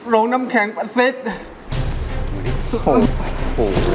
โรงน้ำแข็งประสิทธิ์